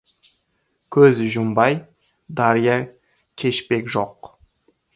Көз жұмбай, дария кешпек жоқ.